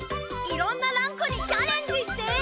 いろんなランクにチャレンジして。